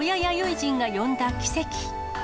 人が呼んだ奇跡。